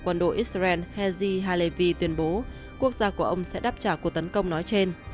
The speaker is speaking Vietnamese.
quân đội israel hezi halevi tuyên bố quốc gia của ông sẽ đáp trả cuộc tấn công nói trên